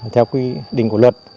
theo quy định của luật